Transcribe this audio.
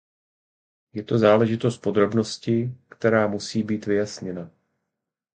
Je to záležitost podrobnosti, která musí být vyjasněna.